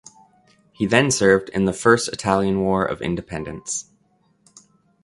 He then served in the First Italian War of Independence.